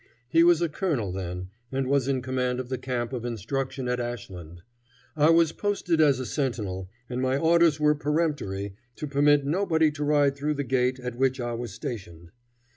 He was a colonel then, and was in command of the camp of instruction at Ashland. I was posted as a sentinel, and my orders were peremptory to permit nobody to ride through the gate at which I was stationed.